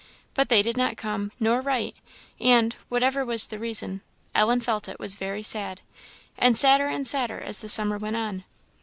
But they did not come, nor write; and, whatever was the reason, Ellen felt it was very sad, and sadder and sadder as the summer went on.